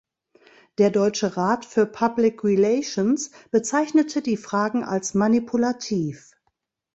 Der Deutsche Rat für Public Relations bezeichnete die Fragen als manipulativ.